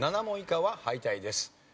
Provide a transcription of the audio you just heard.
７問以下は敗退です。